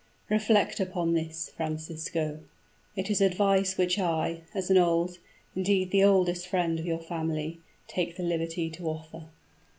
Reflect upon this, Francisco: it is advice which I, as an old indeed, the oldest friend of your family take the liberty to offer."